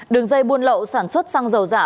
đường dây buôn lậu sản xuất xăng dầu giả